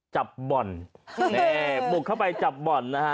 จับบ่อนนี่บุกเข้าไปจับบ่อนนะฮะ